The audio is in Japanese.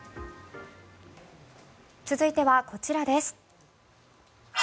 続いては、こちらです。